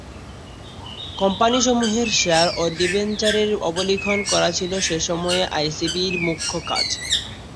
কোম্পানিসমূহের share ও ডিবেঞ্চারের অবলিখন করা ছিল সে সময়ে আইসিবি-র মুখ্য কাজ।